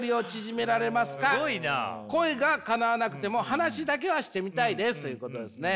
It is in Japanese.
恋がかなわなくても話だけはしてみたいです」ということですね。